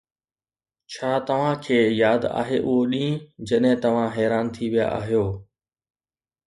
ڇا توهان کي ياد آهي اهو ڏينهن جڏهن توهان حيران ٿي ويا آهيو؟